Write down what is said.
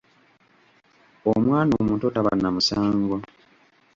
Omwana omuto taba na musango.